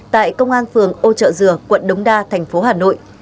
tại công an phường ô trợ dừa quận đống đa tp hà nội